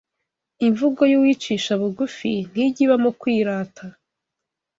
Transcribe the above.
Imvugo y’uwicisha bugufi ntijya ibamo kwirata